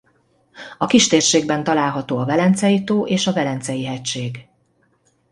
A kistérségben található a Velencei-tó és a Velencei-hegység.